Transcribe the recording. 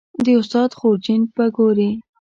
د استاد خورجین به ګورې